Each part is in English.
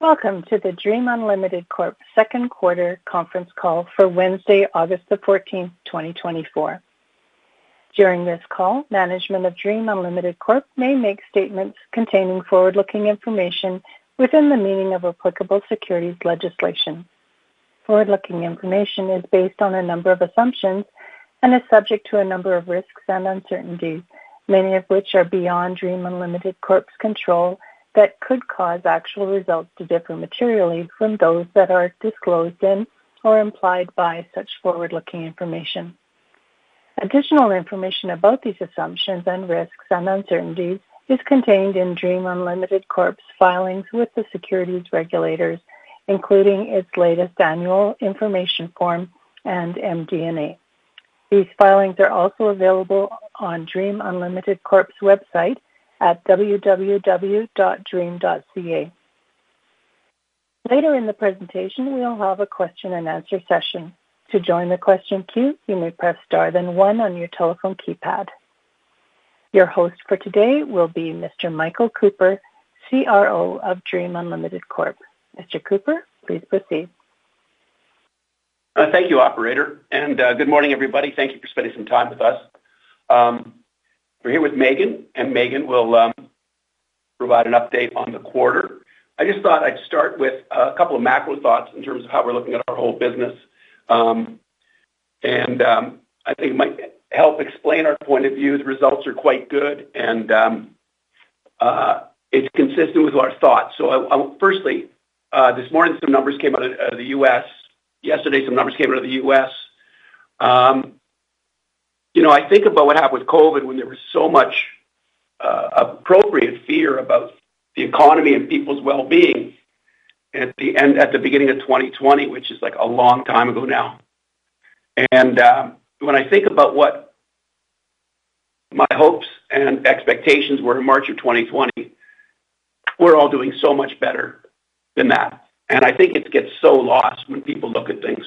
Welcome to the Dream Unlimited Corp. second quarter conference call for Wednesday, August 14, 2024. During this call, management of Dream Unlimited Corp. may make statements containing forward-looking information within the meaning of applicable securities legislation. Forward-looking information is based on a number of assumptions and is subject to a number of risks and uncertainties, many of which are beyond Dream Unlimited Corp.'s control, that could cause actual results to differ materially from those that are disclosed in or implied by such forward-looking information. Additional information about these assumptions and risks and uncertainties is contained in Dream Unlimited Corp.'s filings with the securities regulators, including its latest annual information form and MD&A. These filings are also available on Dream Unlimited Corp.'s website at www.dream.ca. Later in the presentation, we'll have a question and answer session. To join the question queue, you may press star then one on your telephone keypad. Your host for today will be Mr. Michael Cooper, CRO of Dream Unlimited Corp. Mr. Cooper, please proceed. Thank you, operator, and good morning, everybody. Thank you for spending some time with us. We're here with Meaghan, and Meaghan will provide an update on the quarter. I just thought I'd start with a couple of macro thoughts in terms of how we're looking at our whole business. I think it might help explain our point of view. The results are quite good, and it's consistent with our thoughts. So firstly, this morning, some numbers came out of the U.S. yesterday, some numbers came out of the U.S.. You know, I think about what happened with COVID when there was so much appropriate fear about the economy and people's well-being at the beginning of 2020, which is, like, a long time ago now. When I think about what my hopes and expectations were in March of 2020, we're all doing so much better than that, and I think it gets so lost when people look at things.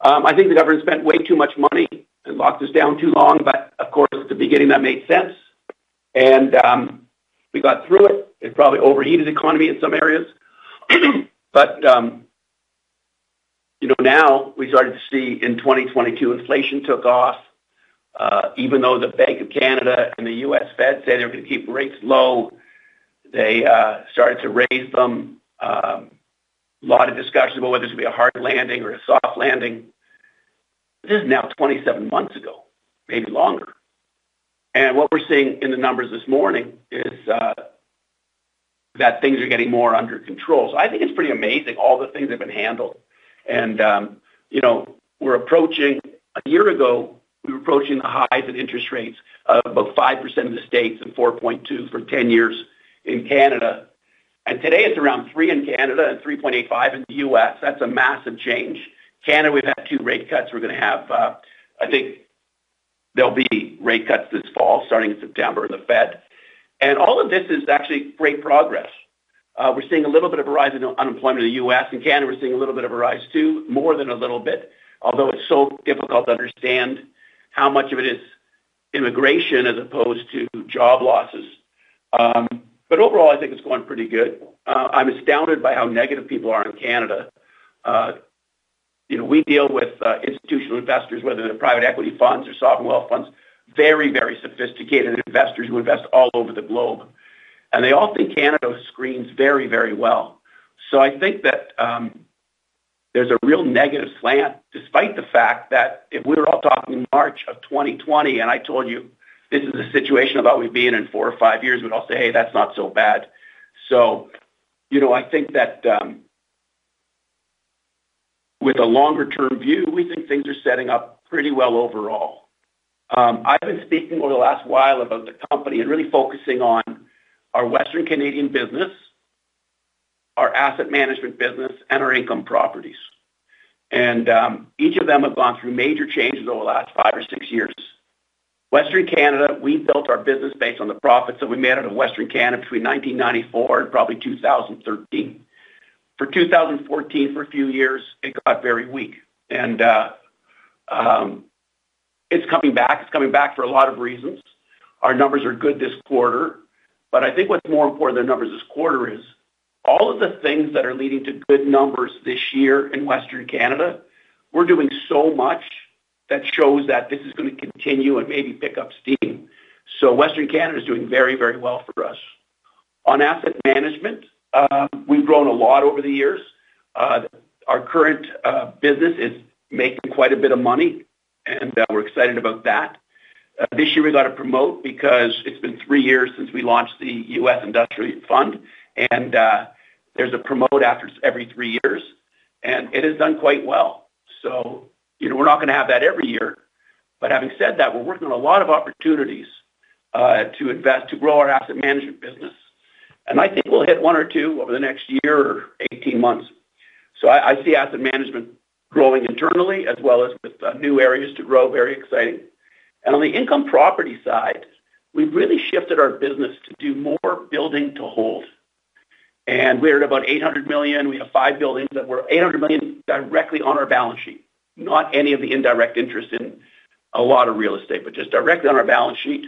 I think the government spent way too much money and locked us down too long, but of course, at the beginning, that made sense. We got through it. It probably overheated the economy in some areas. But, you know, now we started to see in 2022, inflation took off. Even though the Bank of Canada and the U.S. Fed said they were going to keep rates low, they started to raise them. A lot of discussion about whether this would be a hard landing or a soft landing. This is now 27 months ago, maybe longer. What we're seeing in the numbers this morning is that things are getting more under control. So I think it's pretty amazing all the things that have been handled. You know, we're approaching... A year ago, we were approaching the highs in interest rates of about 5% in the States and 4.2% for 10 years in Canada. Today it's around 3% in Canada and 3.85% in the U.S.. That's a massive change. Canada, we've had two rate cuts. We're gonna have, I think there'll be rate cuts this fall, starting in September in the Fed. All of this is actually great progress. We're seeing a little bit of a rise in unemployment in the U.S. and Canada, we're seeing a little bit of a rise, too. More than a little bit, although it's so difficult to understand how much of it is immigration as opposed to job losses. But overall, I think it's going pretty good. I'm astounded by how negative people are in Canada. You know, we deal with institutional investors, whether they're private equity funds or sovereign wealth funds, very, very sophisticated investors who invest all over the globe, and they all think Canada screens very, very well. So I think that, there's a real negative slant, despite the fact that if we were all talking in March of 2020 and I told you, this is the situation about we'd be in in four or five years, we'd all say, "Hey, that's not so bad." So, you know, I think that, with a longer-term view, we think things are setting up pretty well overall. I've been speaking over the last while about the company and really focusing on our Western Canadian business, our asset management business, and our income properties. And, each of them have gone through major changes over the last five or six years. Western Canada, we built our business based on the profits that we made out of Western Canada between 1994 and probably 2013. For 2014, for a few years, it got very weak, and, it's coming back. It's coming back for a lot of reasons. Our numbers are good this quarter, but I think what's more important than numbers this quarter is all of the things that are leading to good numbers this year in Western Canada, we're doing so much that shows that this is gonna continue and maybe pick up steam. Western Canada is doing very, very well for us. On asset management, we've grown a lot over the years. Our current business is making quite a bit of money, and we're excited about that. This year we got the promote because it's been three years since we launched the U.S. Industrial Fund, and there's a promote after every three years, and it has done quite well. So, you know, we're not gonna have that every year. But having said that, we're working on a lot of opportunities to invest, to grow our asset management business, and I think we'll hit one or two over the next year or 18 months. So I see asset management growing internally as well as with new areas to grow. Very exciting. And on the income property side, we've really shifted our business to do more building to hold. And we're at about 800 million. We have five buildings that were 800 million directly on our balance sheet. Not any of the indirect interest in a lot of real estate, but just directly on our balance sheet.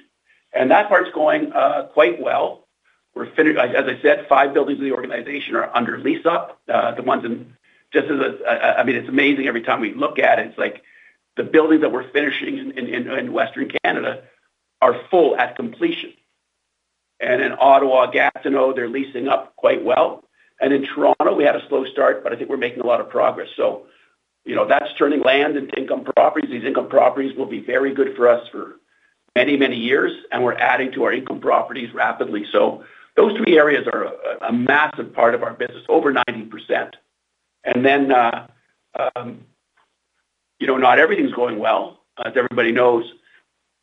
And that part's going quite well. We're finished. As I said, five buildings of the organization are under lease up. The ones in. Just as a, I mean, it's amazing every time we look at it, it's like the buildings that we're finishing in Western Canada are full at completion. And in Ottawa, Gatineau, they're leasing up quite well. And in Toronto, we had a slow start, but I think we're making a lot of progress. So you know, that's turning land into income properties. These income properties will be very good for us for many, many years, and we're adding to our income properties rapidly. So those three areas are a massive part of our business, over 90%. And then, you know, not everything's going well. As everybody knows,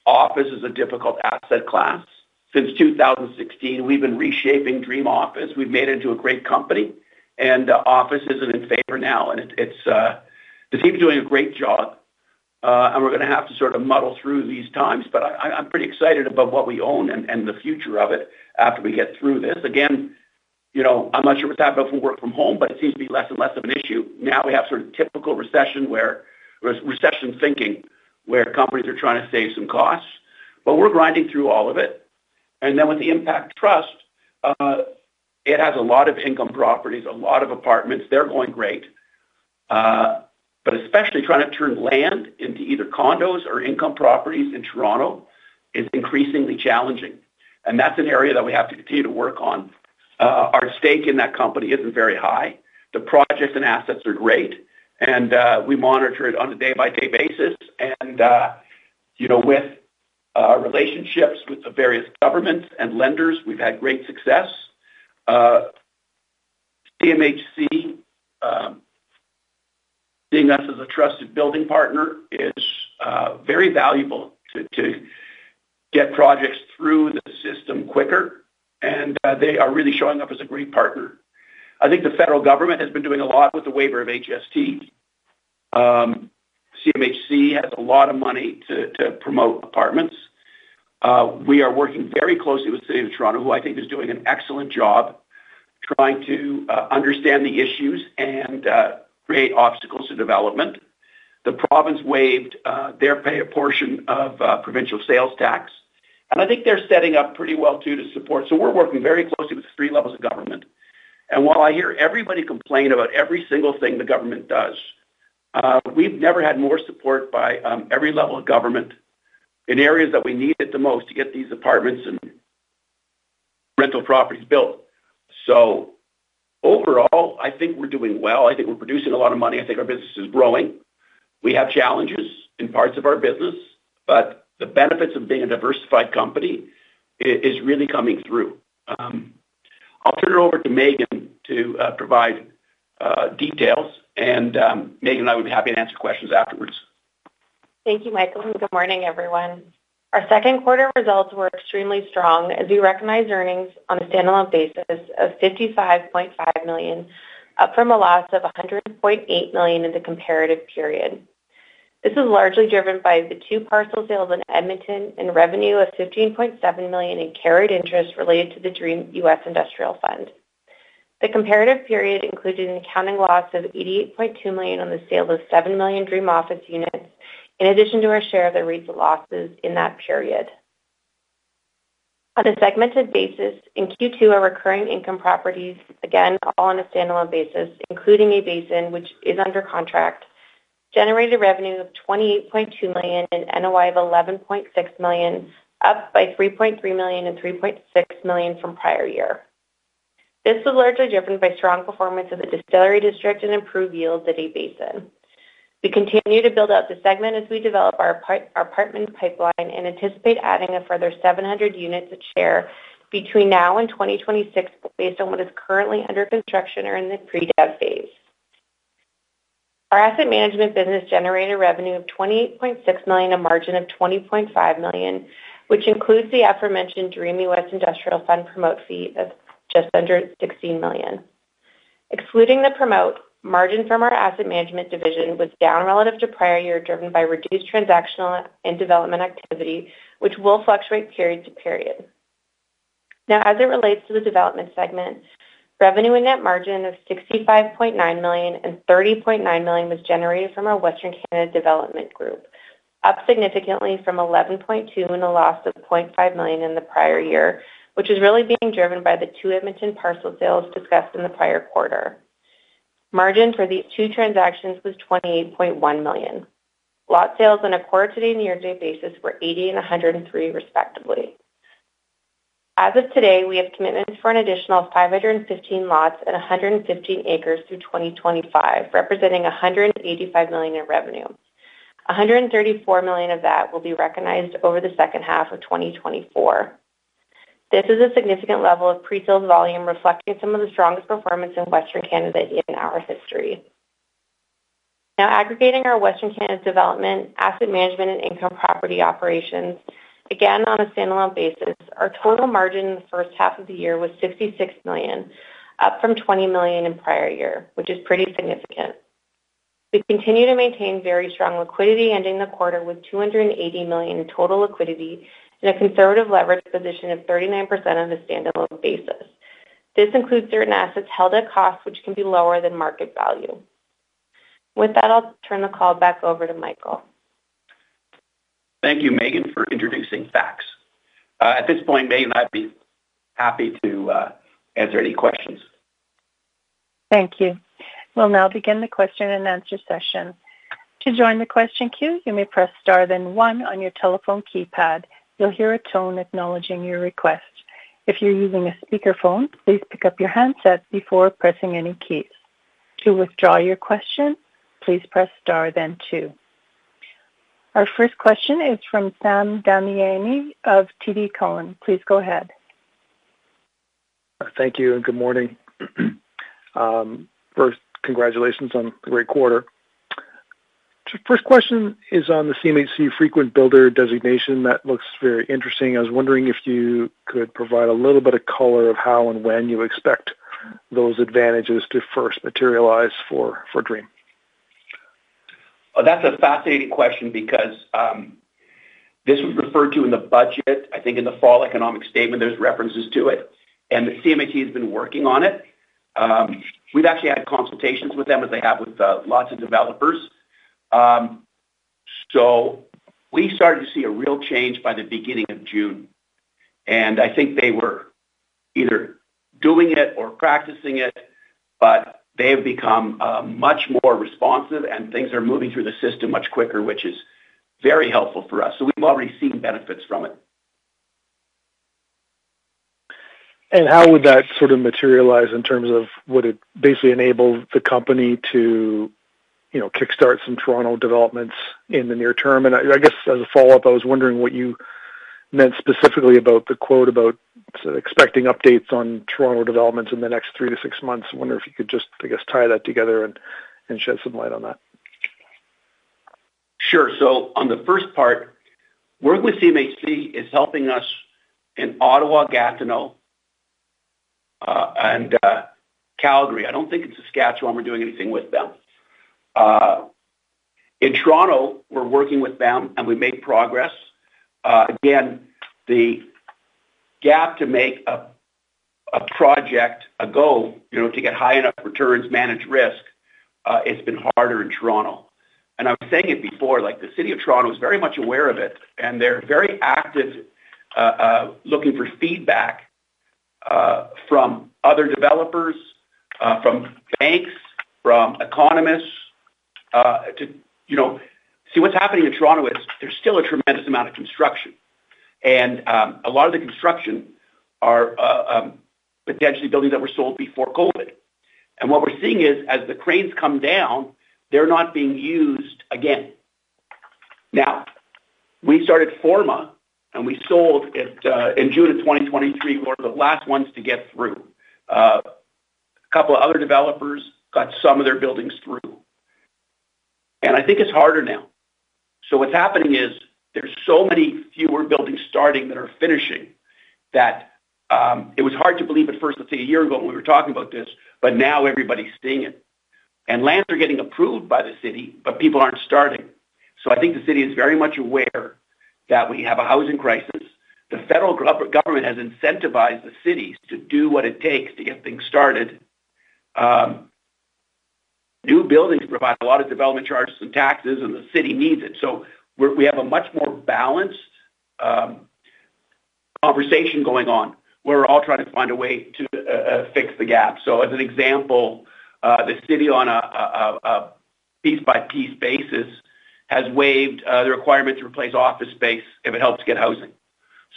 office is a difficult asset class. Since 2016, we've been reshaping Dream Office. We've made it into a great company, and office isn't in favor now, and it's the team's doing a great job. And we're going to have to sort of muddle through these times, but I'm pretty excited about what we own and the future of it after we get through this. Again, you know, I'm not sure what's happening with work from home, but it seems to be less and less of an issue. Now we have sort of typical recession where recession thinking, where companies are trying to save some costs, but we're grinding through all of it. And then with the Impact Trust, it has a lot of income properties, a lot of apartments. They're going great, but especially trying to turn land into either condos or income properties in Toronto is increasingly challenging, and that's an area that we have to continue to work on. Our stake in that company isn't very high. The projects and assets are great, and we monitor it on a day-by-day basis. And, you know, with relationships with the various governments and lenders, we've had great success. CMHC seeing us as a trusted building partner is very valuable to get projects through the system quicker, and they are really showing up as a great partner. I think the federal government has been doing a lot with the waiver of HST. CMHC has a lot of money to promote apartments. We are working very closely with the City of Toronto, who I think is doing an excellent job trying to understand the issues and create obstacles to development. The province waived their provincial portion of provincial sales tax, and I think they're setting up pretty well, too, to support. So we're working very closely with three levels of government. And while I hear everybody complain about every single thing the government does, we've never had more support by every level of government in areas that we need it the most to get these apartments and rental properties built. So overall, I think we're doing well. I think we're producing a lot of money. I think our business is growing. We have challenges in parts of our business, but the benefits of being a diversified company is really coming through. I'll turn it over to Meaghan to provide details, and Meaghan and I would be happy to answer questions afterwards. Thank you, Michael, and good morning, everyone. Our second quarter results were extremely strong as we recognized earnings on a standalone basis of 55.5 million, up from a loss of 100.8 million in the comparative period. This is largely driven by the two parcel sales in Edmonton and revenue of 15.7 million in carried interest related to the Dream U.S. Industrial Fund. The comparative period included an accounting loss of 88.2 million on the sale of seven million Dream Office units, in addition to our share of the REIT's losses in that period. On a segmented basis, in Q2, our recurring income properties, again, all on a standalone basis, including A-Basin, which is under contract, generated revenue of 28.2 million and NOI of 11.6 million, up by 3.3 million and 3.6 million from prior year. This was largely driven by strong performance of the Distillery District and improved yields at A-Basin. We continue to build out the segment as we develop our apartment pipeline and anticipate adding a further 700 units at share between now and 2026, based on what is currently under construction or in the pre-dev phase. Our asset management business generated revenue of 28.6 million, a margin of 20.5 million, which includes the aforementioned Dream U.S. Industrial Fund promote fee of just under 16 million. Excluding the promote, margin from our asset management division was down relative to prior year, driven by reduced transactional and development activity, which will fluctuate period to period. Now, as it relates to the development segment, revenue and net margin of 65.9 million and 30.9 million was generated from our Western Canada development group, up significantly from 11.2 million and a loss of 0.5 million in the prior year, which is really being driven by the two Edmonton parcel sales discussed in the prior quarter. Margin for these two transactions was 28.1 million. Lot sales on a quarter-to-date and year-to-date basis were 80 and 103, respectively. As of today, we have commitments for an additional 515 lots and 115 acres through 2025, representing 185 million in revenue. 134 million of that will be recognized over the second half of 2024. This is a significant level of pre-sale volume, reflecting some of the strongest performance in Western Canada in our history. Now, aggregating our Western Canada development, asset management, and income property operations, again, on a standalone basis, our total margin in the first half of the year was 66 million, up from 20 million in prior year, which is pretty significant. We continue to maintain very strong liquidity, ending the quarter with 280 million in total liquidity and a conservative leverage position of 39% on a standalone basis. This includes certain assets held at cost, which can be lower than market value... With that, I'll turn the call back over to Michael. Thank you, Meaghan, for introducing facts. At this point, Meaghan, I'd be happy to answer any questions. Thank you. We'll now begin the question and answer session. To join the question queue, you may press star, then one on your telephone keypad. You'll hear a tone acknowledging your request. If you're using a speakerphone, please pick up your handset before pressing any keys. To withdraw your question, please press star, then two. Our first question is from Sam Damiani of TD Cowen. Please go ahead. Thank you, and good morning. First, congratulations on a great quarter. First question is on the CMHC Frequent Builder designation. That looks very interesting. I was wondering if you could provide a little bit of color of how and when you expect those advantages to first materialize for, for Dream. Well, that's a fascinating question because, this was referred to in the budget. I think in the Fall Economic Statement, there's references to it, and the CMHC has been working on it. We've actually had consultations with them, as they have with, lots of developers. So we started to see a real change by the beginning of June, and I think they were either doing it or practicing it, but they have become, much more responsive and things are moving through the system much quicker, which is very helpful for us. So we've already seen benefits from it. How would that sort of materialize in terms of would it basically enable the company to, you know, kickstart some Toronto developments in the near term? I, I guess, as a follow-up, I was wondering what you meant specifically about the quote about expecting updates on Toronto developments in the next three to six months. I wonder if you could just, I guess, tie that together and, and shed some light on that. Sure. So on the first part, working with CMHC is helping us in Ottawa-Gatineau, and Calgary. I don't think in Saskatchewan, we're doing anything with them. In Toronto, we're working with them, and we make progress. Again, the gap to make a project a go, you know, to get high enough returns, manage risk, it's been harder in Toronto. And I was saying it before, like, the City of Toronto is very much aware of it, and they're very active, looking for feedback from other developers, from banks, from economists, to see what's happening in Toronto is there's still a tremendous amount of construction, and a lot of the construction are potentially buildings that were sold before COVID. And what we're seeing is, as the cranes come down, they're not being used again. Now, we started Forma, and we sold it in June of 2023. We're the last ones to get through. A couple of other developers got some of their buildings through, and I think it's harder now. So what's happening is there's so many fewer buildings starting than are finishing, that it was hard to believe at first, let's say, a year ago when we were talking about this, but now everybody's seeing it. And lands are getting approved by the city, but people aren't starting. So I think the city is very much aware that we have a housing crisis. The federal government has incentivized the cities to do what it takes to get things started. New buildings provide a lot of development charges and taxes, and the city needs it. So we have a much more balanced conversation going on. We're all trying to find a way to fix the gap. So as an example, the city, on a piece-by-piece basis, has waived the requirement to replace office space if it helps get housing.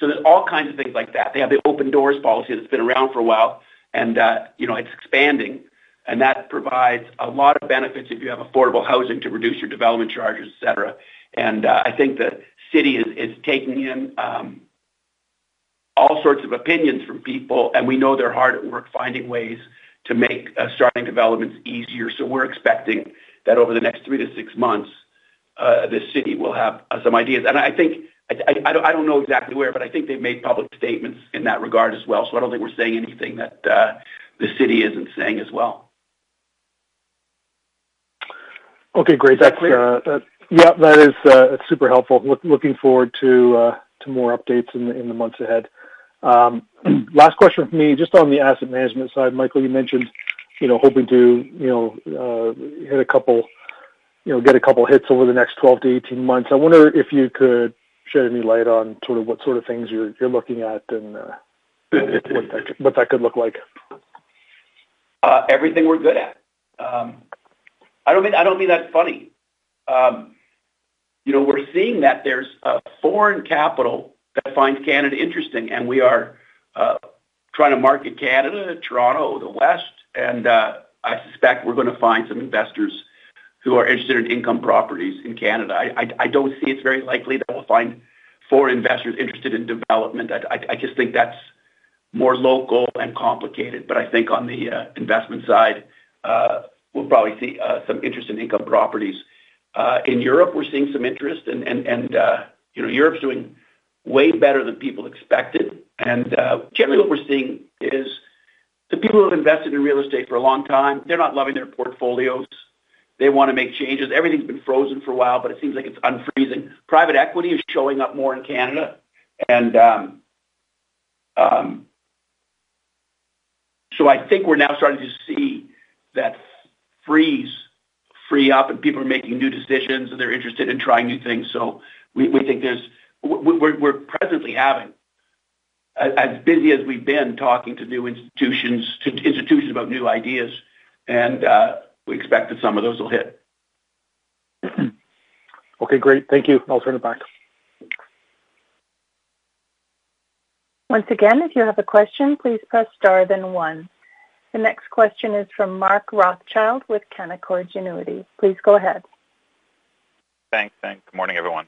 So there's all kinds of things like that. They have the Open Door policy that's been around for a while, and, you know, it's expanding, and that provides a lot of benefits if you have affordable housing to reduce your development charges, et cetera. And I think the city is taking in all sorts of opinions from people, and we know they're hard at work, finding ways to make starting developments easier. So we're expecting that over the next three to six months, the city will have some ideas. And I think... I don't know exactly where, but I think they've made public statements in that regard as well. So I don't think we're saying anything that the city isn't saying as well. Okay, great. Is that clear? Yeah, that is super helpful. Looking forward to more updates in the months ahead. Last question from me, just on the asset management side. Michael, you mentioned, you know, hoping to, you know, hit a couple... You know, get a couple hits over the next 12-18 months. I wonder if you could shed any light on sort of what sort of things you're looking at and what that could look like. Everything we're good at. I don't mean that funny. You know, we're seeing that there's foreign capital that finds Canada interesting, and we are trying to market Canada, Toronto, the West, and I suspect we're going to find some investors who are interested in income properties in Canada. I don't see it's very likely that we'll find foreign investors interested in development. I just think that's more local and complicated, but I think on the investment side, we'll probably see some interest in income properties. In Europe, we're seeing some interest, and you know, Europe's doing way better than people expected. Generally, what we're seeing is the people who have invested in real estate for a long time, they're not loving their portfolios. They want to make changes. Everything's been frozen for a while, but it seems like it's unfreezing. Private equity is showing up more in Canada, and... So I think we're now starting to see that freeze free up, and people are making new decisions, and they're interested in trying new things. So we think there's— we're presently having as busy as we've been talking to new institutions about new ideas, and we expect that some of those will hit. Okay, great. Thank you. I'll turn it back. Once again, if you have a question, please press star then one. The next question is from Mark Rothschild with Canaccord Genuity. Please go ahead. Thanks. Thanks. Good morning, everyone.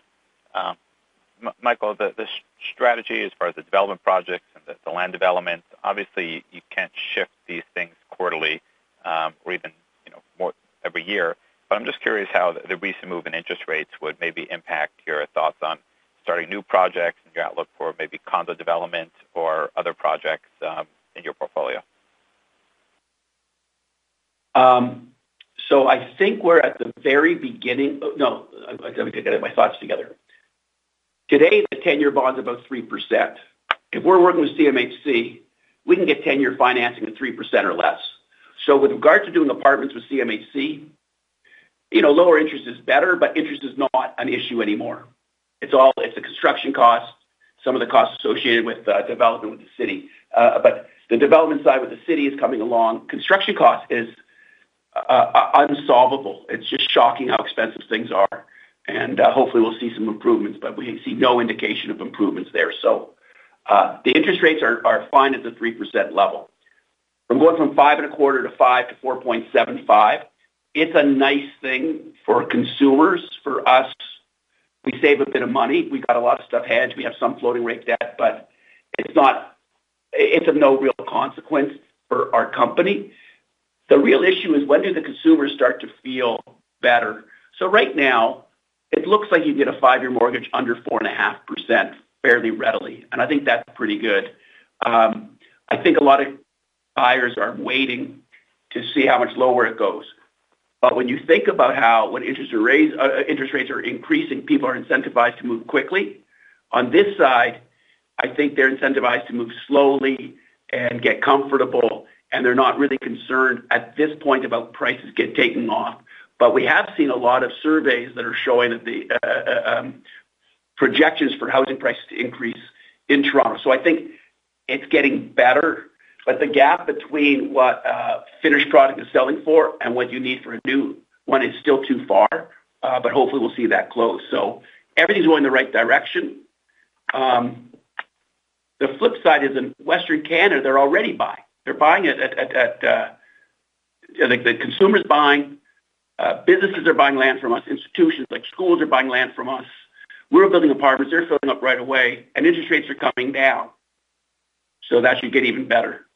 Michael, the strategy as far as the development projects and the land development, obviously, you can't shift these things quarterly, or even, you know, more every year. But I'm just curious how the recent move in interest rates would maybe impact your thoughts on starting new projects and your outlook for maybe condo development or other projects in your portfolio. Today, the 10-year bond is about 3%. If we're working with CMHC, we can get 10-year financing at 3% or less. So with regards to doing apartments with CMHC, you know, lower interest is better, but interest is not an issue anymore. It's all, it's the construction cost, some of the costs associated with development with the city. But the development side with the city is coming along. Construction cost is unsolvable. It's just shocking how expensive things are, and hopefully, we'll see some improvements, but we see no indication of improvements there. So, the interest rates are fine at the 3% level. From going from 5.25% to 5% to 4.75%, it's a nice thing for consumers. For us, we save a bit of money. We got a lot of stuff hedged. We have some floating rate debt, but it's not, it's of no real consequence for our company. The real issue is: When do the consumers start to feel better? So right now, it looks like you get a five-year mortgage under 4.5% fairly readily, and I think that's pretty good. I think a lot of buyers are waiting to see how much lower it goes. But when you think about how, when interest rates are increasing, people are incentivized to move quickly. On this side, I think they're incentivized to move slowly and get comfortable, and they're not really concerned at this point about prices getting taken off. We have seen a lot of surveys that are showing that the projections for housing prices to increase in Toronto. So I think it's getting better, but the gap between what a finished product is selling for and what you need for a new one is still too far, but hopefully, we'll see that close. So everything's going in the right direction. The flip side is in Western Canada, they're already buying. They're buying it at... The consumer is buying, businesses are buying land from us. Institutions like schools are buying land from us. We're building apartments, they're filling up right away, and interest rates are coming down, so that should get even better.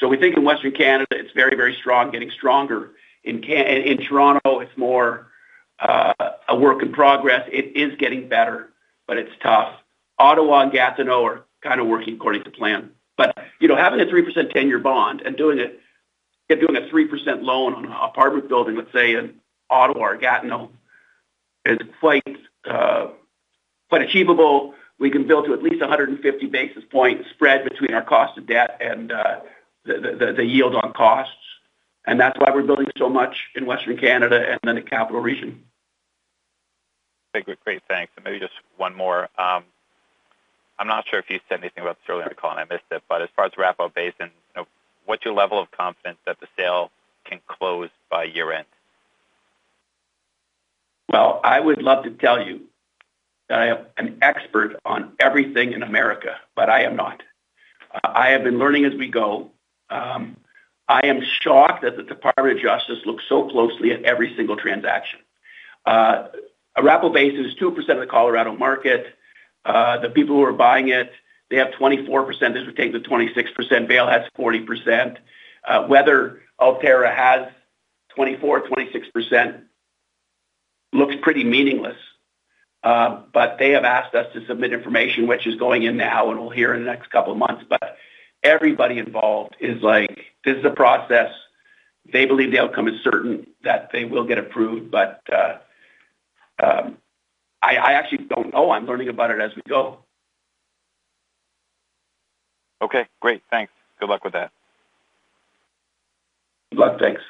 So we think in Western Canada, it's very, very strong, getting stronger. In Toronto, it's more a work in progress. It is getting better, but it's tough. Ottawa and Gatineau are kind of working according to plan. But, you know, having a 3% 10-year bond and doing it, and doing a 3% loan on an apartment building, let's say in Ottawa or Gatineau, is quite, quite achievable. We can build to at least a 150 basis point spread between our cost of debt and, the yield on costs, and that's why we're building so much in Western Canada and then the capital region. Great. Great, thanks. Maybe just one more. I'm not sure if you said anything about this earlier in the call, and I missed it, but as far as Arapahoe Basin, you know, what's your level of confidence that the sale can close by year-end? Well, I would love to tell you that I am an expert on everything in America, but I am not. I have been learning as we go. I am shocked that the Department of Justice looks so closely at every single transaction. Arapahoe Basin is 2% of the Colorado market. The people who are buying it, they have 24%. This would take them to 26%. Vail has 40%. Whether Alterra has 24, 26% looks pretty meaningless. But they have asked us to submit information, which is going in now, and we'll hear in the next couple of months. But everybody involved is like: This is a process. They believe the outcome is certain that they will get approved, but I actually don't know. I'm learning about it as we go. Okay, great. Thanks. Good luck with that. Good luck. Thanks.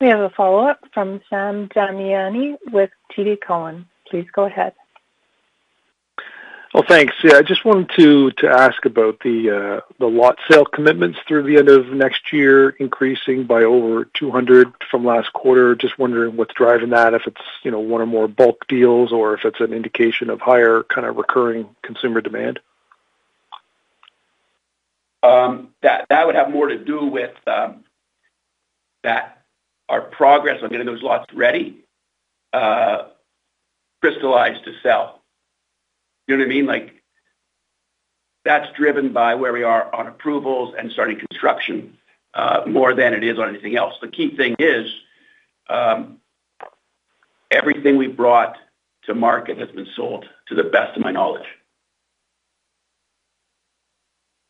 We have a follow-up from Sam Damiani with TD Cowen. Please go ahead. Well, thanks. Yeah, I just wanted to ask about the lot sale commitments through the end of next year, increasing by over 200 from last quarter. Just wondering what's driving that, if it's, you know, one or more bulk deals, or if it's an indication of higher kind of recurring consumer demand. That would have more to do with that our progress on getting those lots ready, crystallized to sell. You know what I mean? Like, that's driven by where we are on approvals and starting construction, more than it is on anything else. The key thing is, everything we brought to market has been sold to the best of my knowledge.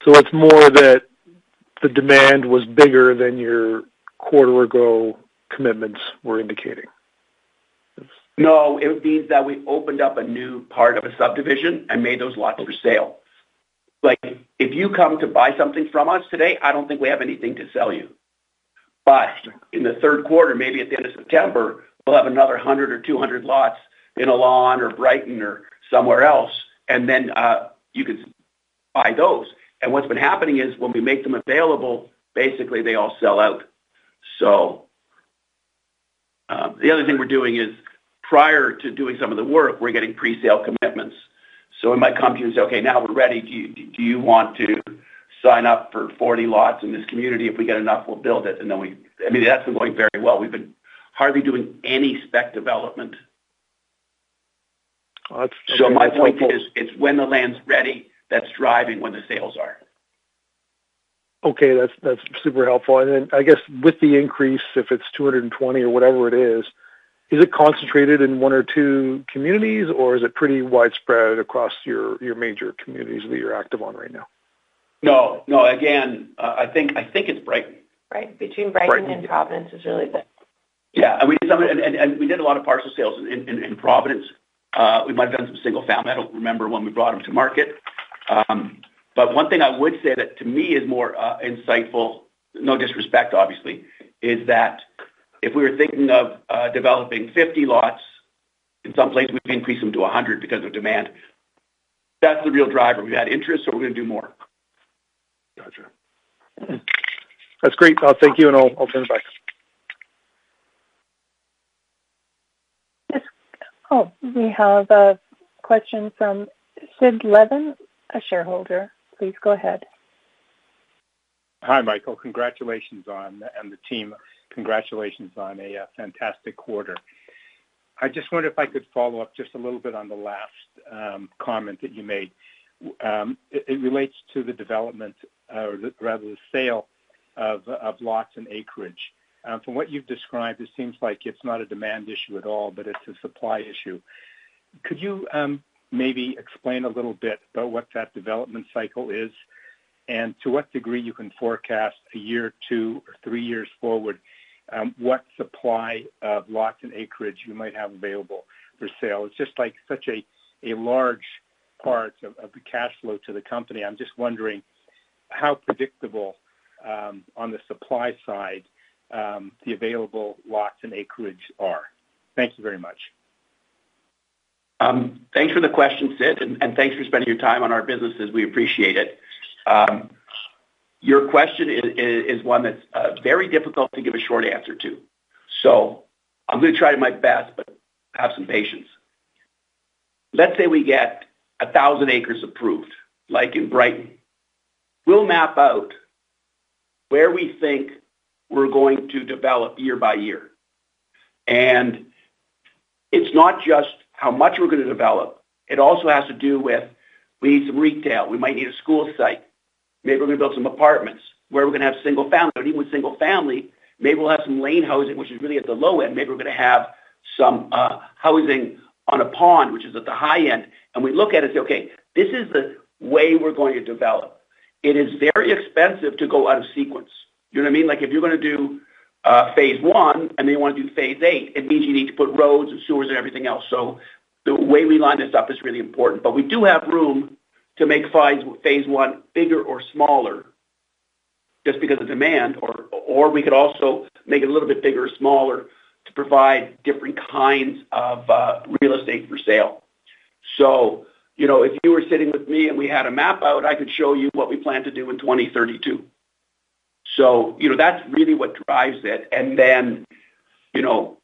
It's more that the demand was bigger than your quarter ago commitments were indicating? ...No, it means that we opened up a new part of a subdivision and made those lots for sale. Like, if you come to buy something from us today, I don't think we have anything to sell you. But in the third quarter, maybe at the end of September, we'll have another 100 or 200 lots in Elan or Brighton or somewhere else, and then you could buy those. And what's been happening is, when we make them available, basically, they all sell out. So, the other thing we're doing is, prior to doing some of the work, we're getting presale commitments. So we might come to you and say, "Okay, now we're ready. Do you want to sign up for 40 lots in this community? If we get enough, we'll build it," and then we, I mean, that's been going very well. We've been hardly doing any spec development. That's- My point is, it's when the land's ready, that's driving when the sales are. Okay, that's, that's super helpful. And then, I guess with the increase, if it's 220 or whatever it is, is it concentrated in one or two communities, or is it pretty widespread across your, your major communities that you're active on right now? No, no. Again, I, I think, I think it's Brighton. Right. Between Brighton and Providence is really good. Yeah, and we did a lot of parcel sales in Providence. We might have done some single family. I don't remember when we brought them to market. But one thing I would say that to me is more insightful, no disrespect, obviously, is that if we were thinking of developing 50 lots in some places, we've increased them to 100 because of demand. That's the real driver. We've had interest, so we're going to do more. Gotcha. That's great. Thank you, and I'll, I'll turn it back. Yes. Oh, we have a question from Sid Levine, a shareholder. Please go ahead. Hi, Michael. Congratulations on... and the team. Congratulations on a fantastic quarter. I just wonder if I could follow-up just a little bit on the last comment that you made. It relates to the development rather the sale of lots and acreage. From what you've described, it seems like it's not a demand issue at all, but it's a supply issue. Could you maybe explain a little bit about what that development cycle is, and to what degree you can forecast a year or two or three years forward what supply of lots and acreage you might have available for sale? It's just, like, such a large part of the cash flow to the company. I'm just wondering how predictable on the supply side the available lots and acreage are. Thank you very much. Thanks for the question, Sid, and thanks for spending your time on our business as we appreciate it. Your question is one that's very difficult to give a short answer to. So I'm going to try my best, but have some patience. Let's say we get 1,000 acres approved, like in Brighton. We'll map out where we think we're going to develop year by year. And it's not just how much we're going to develop, it also has to do with, we need some retail, we might need a school site, maybe we're going to build some apartments, where we're going to have single family. But even with single family, maybe we'll have some lane housing, which is really at the low end. Maybe we're going to have some housing on a pond, which is at the high end. We look at it and say, "Okay, this is the way we're going to develop." It is very expensive to go out of sequence. You know what I mean? Like, if you're going to do phase one, and then you want to do phase eight, it means you need to put roads and sewers and everything else. So the way we line this up is really important. But we do have room to make phase one bigger or smaller, just because of demand, or we could also make it a little bit bigger or smaller to provide different kinds of real estate for sale. So, you know, if you were sitting with me and we had a map out, I could show you what we plan to do in 2032. So, you know, that's really what drives it. And then, you know,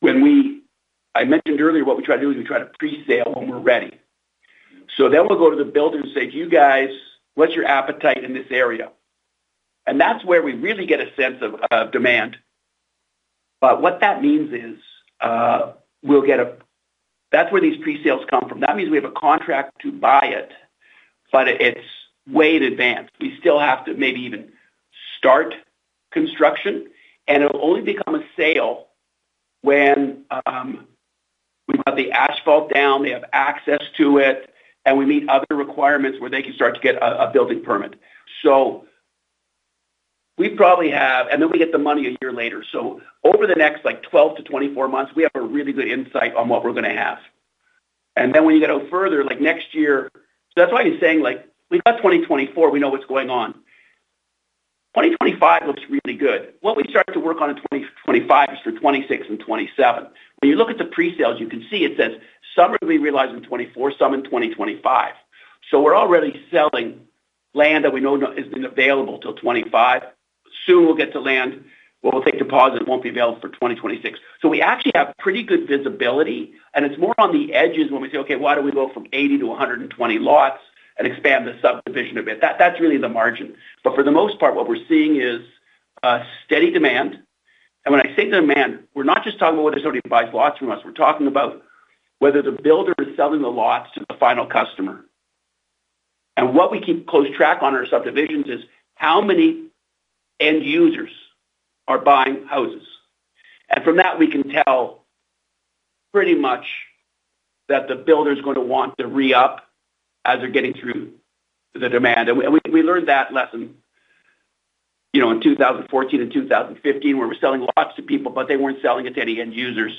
when we I mentioned earlier, what we try to do is we try to presale when we're ready. So then we'll go to the builder and say, "You guys, what's your appetite in this area?" And that's where we really get a sense of demand. But what that means is we'll get a. That's where these presales come from. That means we have a contract to buy it, but it's way in advance. We still have to maybe even start construction, and it'll only become a sale when we've got the asphalt down, they have access to it, and we meet other requirements where they can start to get a building permit. So we probably have... And then we get the money a year later. So over the next, like, 12-24 months, we have a really good insight on what we're going to have. And then when you get out further, like next year... So that's why he's saying, like, we got 2024, we know what's going on. 2025 looks really good. What we start to work on in 2025 is for 2026 and 2027. When you look at the presales, you can see it says some will be realized in 2024, some in 2025. So we're already selling land that we know is available till 2025. Soon we'll get to land, where we'll take deposit, it won't be available for 2026. So we actually have pretty good visibility, and it's more on the edges when we say, "Okay, why don't we go from 80 to 120 lots and expand the subdivision a bit?" That, that's really the margin. But for the most part, what we're seeing is a steady demand. And when I say demand, we're not just talking about whether somebody buys lots from us, we're talking about whether the builder is selling the lots to the final customer. And what we keep close track on our subdivisions is, how many end users are buying houses? And from that, we can tell pretty much that the builder is going to want to re-up as they're getting through the demand. And we learned that lesson, you know, in 2014 and 2015, where we're selling lots to people, but they weren't selling it to any end users.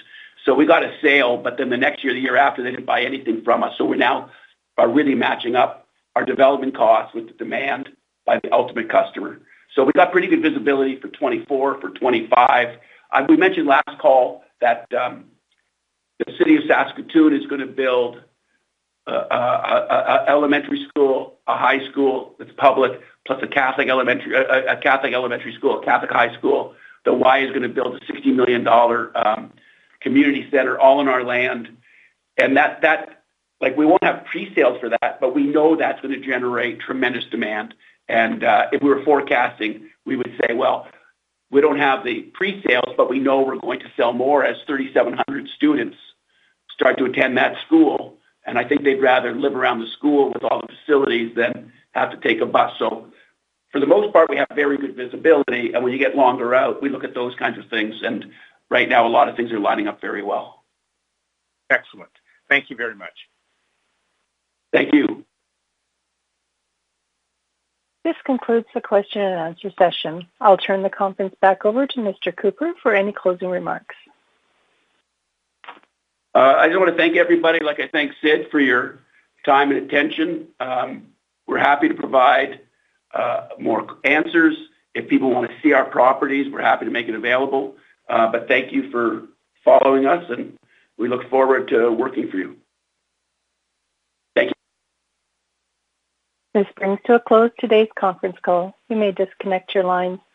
So we got a sale, but then the next year, the year after, they didn't buy anything from us. So we now are really matching up our development costs with the demand by the ultimate customer. So we got pretty good visibility for 2024, for 2025. We mentioned last call that the city of Saskatoon is going to build an elementary school, a high school, it's public, plus a Catholic elementary school, a Catholic high school. The Y is going to build a 60 million dollar community center all on our land. And that—like, we won't have presales for that, but we know that's going to generate tremendous demand. And if we were forecasting, we would say, "Well, we don't have the presales, but we know we're going to sell more as 3,700 students start to attend that school." And I think they'd rather live around the school with all the facilities than have to take a bus. So for the most part, we have very good visibility, and when you get longer out, we look at those kinds of things, and right now, a lot of things are lining up very well. Excellent. Thank you very much. Thank you. This concludes the question and answer session. I'll turn the conference back over to Mr. Cooper for any closing remarks. I just want to thank everybody, like I thanked Sid, for your time and attention. We're happy to provide more answers. If people want to see our properties, we're happy to make it available. But thank you for following us, and we look forward to working for you. Thank you. This brings to a close today's conference call. You may disconnect your lines.